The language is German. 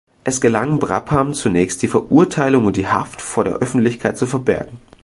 Es gelang Brabham zunächst, die Verurteilung und die Haft vor der Öffentlichkeit zu verbergen.